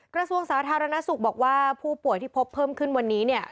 กระทรวงสาธารณสุขบอกว่าผู้ป่วยที่พบเพิ่มขึ้นวันนี้เนี่ย